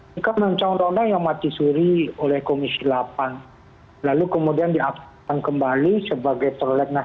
jika mencaut orang yang mati suri oleh komisi delapan lalu kemudian diaktifkan kembali sebagai terletak